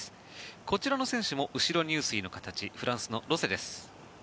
この選手も後ろ入水の形フランスのロセです。